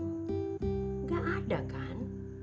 tidak ada kan